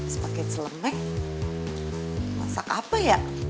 sebagai celemek masak apa ya